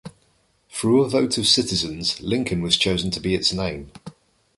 Through a vote of citizens, "Lincoln" was chosen to be its name.